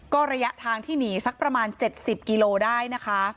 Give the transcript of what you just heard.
ก็ระยะทางที่หนีสักประมาณ๗๐กิโลได้นะคะ